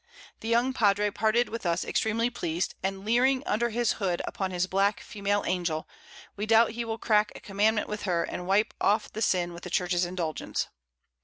The young Padre parted with us extremely pleas'd, and leering under his Hood upon his black Female Angel, we doubt he will crack a Commandment with her, and wipe off the Sin with the Church's Indulgence.